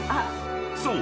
［そう。